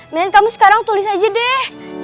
mereka mau sekarang tulis aja deh